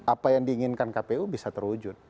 apa yang diinginkan kpu bisa terwujud